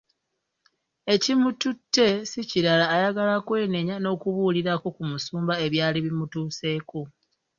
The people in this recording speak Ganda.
Ekimututte si kirala, ayagala kwenenya n’okubuulirako ku musumba ebyali bimutuuseeko!